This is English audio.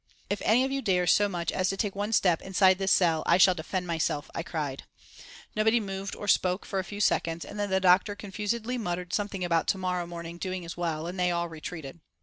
"If any of you dares so much as to take one step inside this cell I shall defend myself," I cried. Nobody moved or spoke for a few seconds, and then the doctor confusedly muttered something about to morrow morning doing as well, and they all retreated.